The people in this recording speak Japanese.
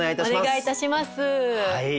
お願いいたします。